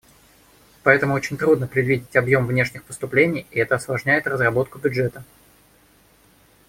Поэтому очень трудно предвидеть объем внешних поступлений, и это осложняет разработку бюджета.